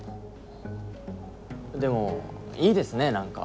でもいいですね何か。